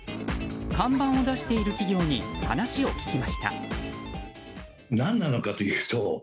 看板を出している企業に話を聞きました。